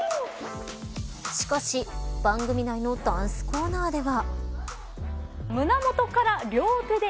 しかし番組内のダンスコーナーでは。